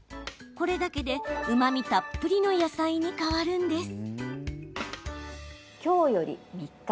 これだけで、うまみたっぷりの野菜に変わるんです。